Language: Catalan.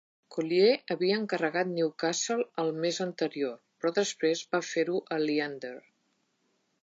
Collier havia encarregat "Newcastle" el mes anterior, però després va fer-ho a "Leander".